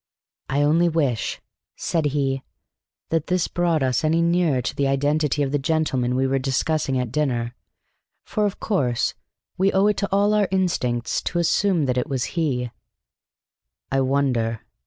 "I only wish," said he, "that this brought us any nearer to the identity of the gentleman we were discussing at dinner, for, of course, we owe it to all our instincts to assume that it was he." "I wonder!"